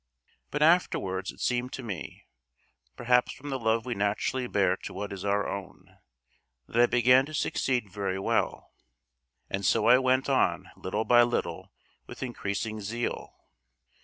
But afterwards it seemed to me perhaps from the love we naturally bear to what is our own that I began to succeed very well; and so I went on little by little with increasing zeal."